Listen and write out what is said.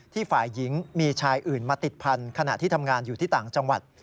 ฝ่ายหญิงมีชายอื่นมาติดพันธุ์ขณะที่ทำงานอยู่ที่ต่างจังหวัด